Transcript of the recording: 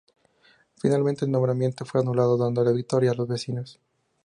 Finalmente, el nombramiento fue anulando dando la victoria a los vecinos.